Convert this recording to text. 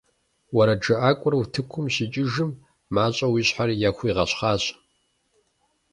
УэрэджыӀакӀуэр утыкум щикӏыжым, мащӀэу и щхьэр яхуигъэщхъащ.